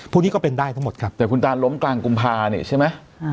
พวกนี้ก็เป็นได้ทั้งหมดครับแต่คุณตาล้มกลางกุมภาเนี่ยใช่ไหม